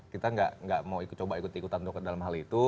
kita gak mau coba ikut ikutan dalam hal itu